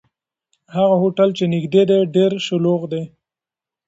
هغه هوټل چې نږدې دی، ډېر شلوغ دی.